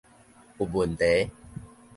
有問題